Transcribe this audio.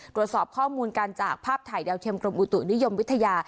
ตรวจสอบข้อมูลกันจากภาพถ่ายดาวเทียมกรมอุตุนิยมวิทยา